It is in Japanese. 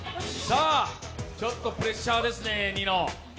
ちょっとプレッシャーですね、ニノ。